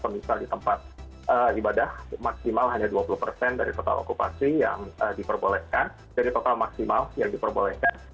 misal di tempat ibadah maksimal hanya dua puluh dari total okupasi yang diperbolehkan jadi total maksimal yang diperbolehkan